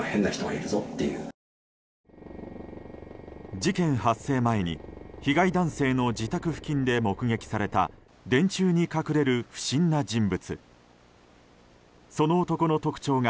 事件発生前に被害男性の自宅付近で目撃された電柱に隠れる不審な人物。